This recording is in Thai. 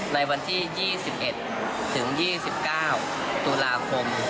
ในวันที่๒๑ถึง๒๙ตุลาคม